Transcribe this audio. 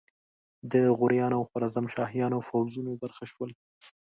د غوریانو او خوارزمشاهیانو پوځونو برخه شول.